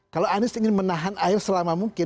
kalau anies ingin menahan air selama mungkin